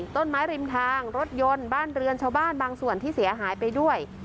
ต้นไม้ริมทางรถยนต์บ้านเรือนชาวบ้านบางส่วนที่เสียหายไปด้วย